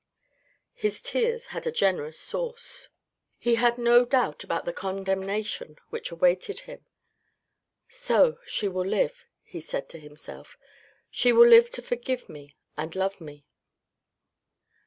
His tears had a generous source. He had no doubt about the condemnation which awaited him. "So she will live," he said to himself. "She will live to forgive me and love me."